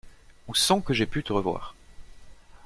Ou sans que j'ai pu te revoir.